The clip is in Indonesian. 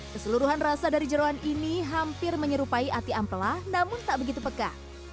keseluruhan rasa dari jerawan ini hampir menyerupai ati ampela namun tak begitu peka